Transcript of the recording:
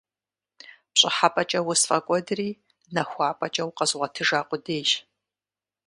ПщӀыхьэпӀэкӀэ усфӀэкӀуэдри, нахуапӀэкӀэ укъэзгъуэтыжа къудейщ…